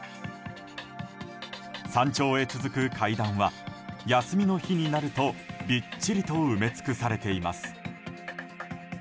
山頂へ続く階段は休みの日になるとびっちりと埋め尽くされています。